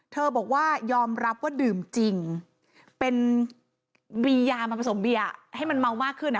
บอกว่ายอมรับว่าดื่มจริงเป็นบียามาผสมเบียร์ให้มันเมามากขึ้น